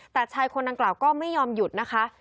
แต่ชายคนดังกล่าวก็ไม่ยอมหยุดนะคะ